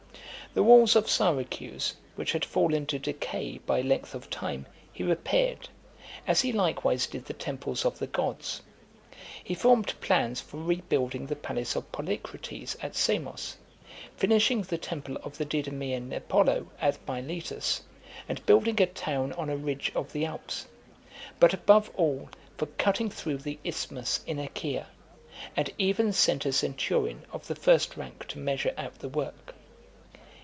The walls of Syracuse, which had fallen to decay by length of time, he repaired, as he likewise did the temples of the gods. He formed plans for rebuilding the palace of Polycrates at Samos, finishing the temple of the Didymaean Apollo at Miletus, and building a town on a ridge of the Alps; but, above all, for cutting through the isthmus in Achaia ; and even sent a centurion of the first rank to measure out the work.